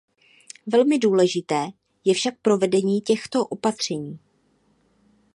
Velmi důležité je však provedení těchto opatření.